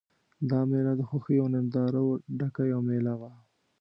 دا مېله د خوښیو او نندارو ډکه یوه مېله وه.